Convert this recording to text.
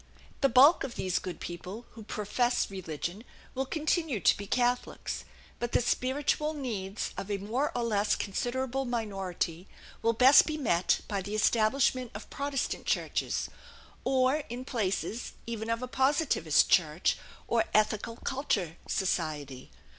The bulk of these good people who profess religion will continue to be Catholics, but the spiritual needs of a more or less considerable minority will best be met by the establishment of Protestant churches, or in places even of a Positivist Church or Ethical Culture Society.